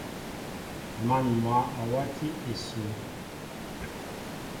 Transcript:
Man mwă a wati esoo.